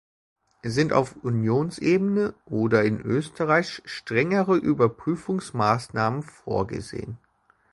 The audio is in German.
Sind auf Unionsebene oder in Österreich strengere Überprüfungsmaßnahmen vorgesehen?